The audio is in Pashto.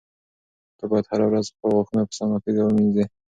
ته باید هره ورځ خپل غاښونه په سمه توګه ومینځې.